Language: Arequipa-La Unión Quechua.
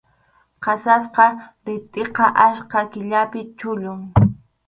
Qasasqa ritʼiqa achka killapi chullun.